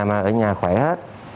mà ở nhà khỏe hết